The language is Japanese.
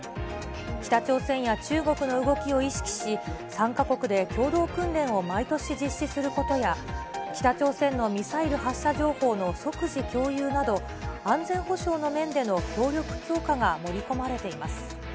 北朝鮮や中国の動きを意識し、３か国で共同訓練を毎年実施することや、北朝鮮のミサイル発射情報の即時共有など、安全保障の面での協力強化が盛り込まれています。